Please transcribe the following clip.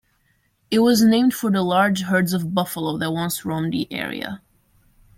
It was named for the large herds of buffalo that once roamed the area.